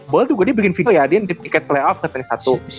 ball juga dia bikin video ya dia di ticket play off katanya satu